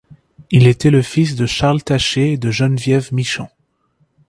Il était le fils de Charles Taché et de Geneviève Michon.